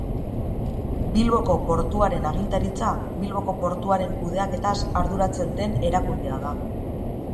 Bilboko Portuaren Agintaritza Bilboko portuaren kudeaketaz arduratzen den erakundea da.